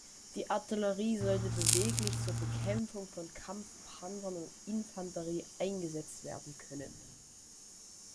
Die Artillerie sollte beweglich zur Bekämpfung von Kampfpanzern und Infanterie eingesetzt werden können.